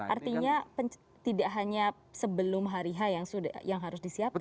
artinya tidak hanya sebelum hari h yang harus disiapkan